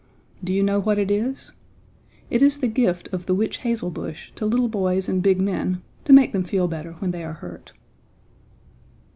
Do you know what it is? It is the gift of the witch hazel bush to little boys and big men to make them feel better when they are hurt.